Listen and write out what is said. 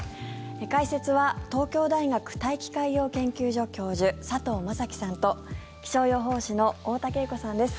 解説は東京大学大気海洋研究所教授佐藤正樹さんと気象予報士の太田景子さんです。